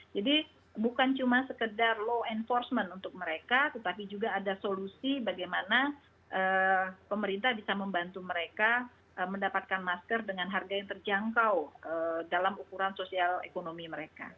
jadi bukan cuma sekedar law enforcement untuk mereka tetapi juga ada solusi bagaimana pemerintah bisa membantu mereka mendapatkan masker dengan harga yang terjangkau dalam ukuran sosial ekonomi mereka